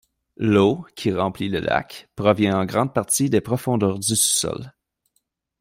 L'eau, qui remplit le lac, provient en grande partie des profondeurs du sous-sol.